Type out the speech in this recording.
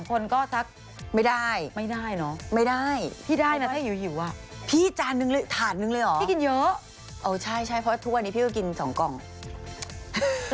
เพราะว่าไม่ได้เอาเงินมาจากโรดล่ะ